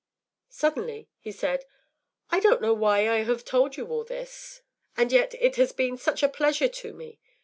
” Suddenly he said, “I don’t know why I have told you all this. And yet it has been such a pleasure to me.